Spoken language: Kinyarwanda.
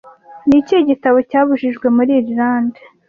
Ni ikihe gitabo cyabujijwe muri Irilande